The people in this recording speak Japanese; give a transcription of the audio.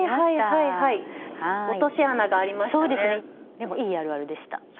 でもいいあるあるでした。